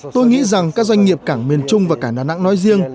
tôi nghĩ rằng các doanh nghiệp cảng miền trung và cảng đà nẵng nói riêng